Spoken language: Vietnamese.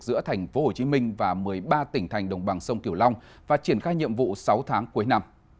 giữa thành phố hồ chí minh và một mươi ba tỉnh thành đồng bằng sông kiểu long và triển khai nhiệm vụ sáu tháng cuối năm